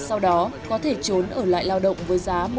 em có thể trốn ở lại lao động với giá một tám trăm linh đồ